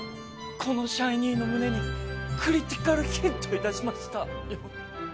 このシャイニーの胸にクリティカルヒットいたしました。